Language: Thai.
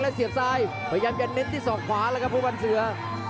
และเสียบทรายพยายามจะเน้นที่สองขวาแล้วครับผู้บันเสือ